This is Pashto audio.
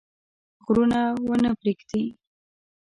غرونه ونه پرېږده.